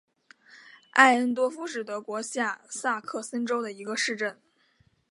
艾恩多夫是德国下萨克森州的一个市镇。